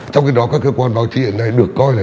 trong khi đó các cơ quan báo chí hiện nay được coi là